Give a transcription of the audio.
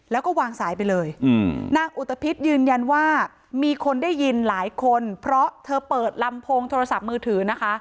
แล้วก็วางสายไปเลยนางอุตภิษยืนยันว่ามีคนได้ยินหลายคนเพราะเธอเปิดลำโพงโทรศัพท์มือถือนะคะ